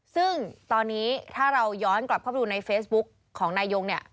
ซึ่งตอนนี้ถ้าเราย้อนกลับเข้าไปดูในเฟซบุ๊กของนายยงเนี่ย